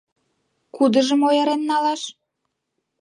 Кудыжым ойырен налаш?